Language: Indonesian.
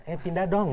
eh pindah dong